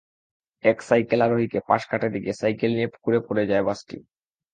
এক সাইকেল আরোহীকে পাশ কাটাতে গিয়ে সাইকেল নিয়ে পুকুরে পড়ে যায় বাসটি।